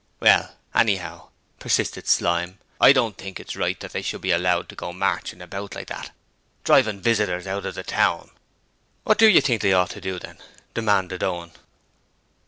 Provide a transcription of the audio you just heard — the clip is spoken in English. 'Well, anyhow,' persisted Slyme, 'I don't think it's a right thing that they should be allowed to go marchin' about like that driving visitors out of the town.' 'What do you think they ought to do, then?' demanded Owen.